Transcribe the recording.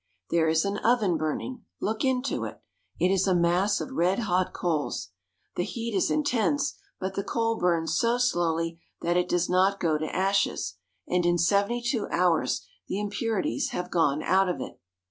There is an oven burning. Look into it. It is a mass ^20 PITTSBURG. of red hot coals. The heat is intense, but the coal burns so slowly that it does not go to ashes, and in seventy two hours the impurities have gone out of it.